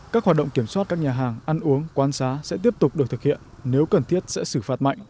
các hoạt động kiểm soát các nhà hàng ăn uống quan sát sẽ tiếp tục được thực hiện nếu cần thiết sẽ xử phạt mạnh